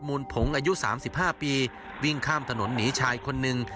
มูลผงอายุสามสิบห้าปีวิ่งข้ามถนนหนีชายคนนึง